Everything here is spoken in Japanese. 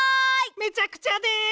めちゃくちゃです！